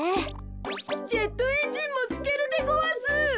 ジェットエンジンもつけるでごわす。